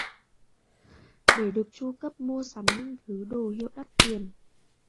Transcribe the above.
Để được chu cấp mua sắm những thứ đồ hiệu đắt tiền